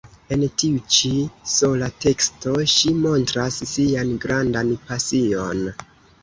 En tiu ĉi sola teksto ŝi montras sian grandan pasion!